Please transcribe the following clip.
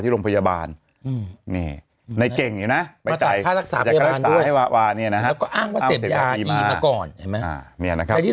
โรงพยาบาลในเก่งอยู่นะแล้วก็อ้างว่าเสร็จยาอีมาก่อนที่